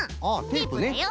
テープだよ。